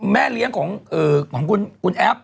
แม่เลี้ยงของคุณแอฟ